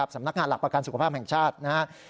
สำนักงานหลักประกันสุขภาพแห่งชาตินะครับ